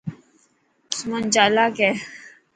سمن چالاڪ هي.